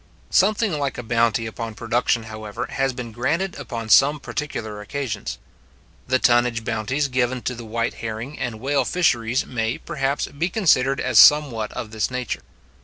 Something like a bounty upon production, however, has been granted upon some particular occasions. The tonnage bounties given to the white herring and whale fisheries may, perhaps, be considered as somewhat of this nature.